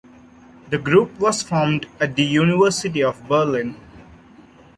The group was formed at the University of Berlin.